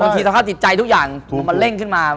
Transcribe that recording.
ทีสภาพจิตใจทุกอย่างพอมันเร่งขึ้นมา